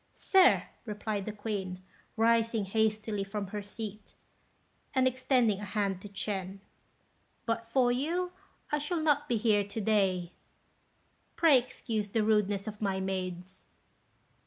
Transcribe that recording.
"Sir!" replied the Queen, rising hastily from her seat, and extending a hand to Ch'ên, "but for you, I should not be here to day. Pray excuse the rudeness of my maids."